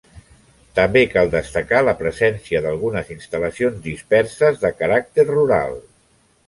També cal destacar la presència d’algunes instal·lacions disperses de caràcter rural.